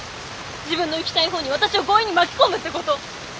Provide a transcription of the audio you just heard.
自分のいきたいほうに私を強引に巻き込むってこと。